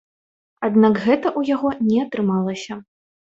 Аднак гэта ў яго не атрымалася.